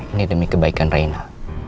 ini demi kebaikan rena